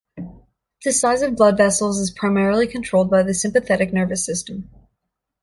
The size of blood vessels is primarily controlled by the sympathetic nervous system.